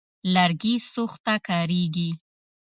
لرګي سوخت ته کارېږي.